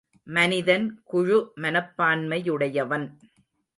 மனிதன் குழு மனப்பான்மையுடையவன்.